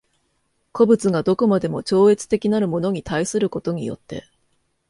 個物が何処までも超越的なるものに対することによって